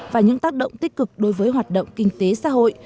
và những tác động tích cực đối với hoạt động kinh tế xã hội